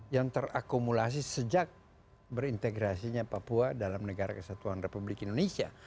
yang terakumulasi sejak berintegrasinya papua dalam negara kesatuan republik indonesia